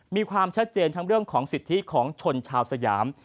มีความชัดเจนทั้งเรื่องของสิทธิของชนชาวสยาม